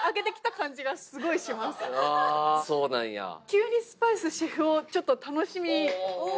急にスパイスシェフ男ちょっと楽しみ。